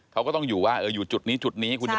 เค้าก็ต้องอยู่จุดนี้